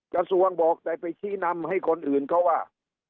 กระทรวงบอกแต่ไปชี้นำให้คนอื่นเขาว่า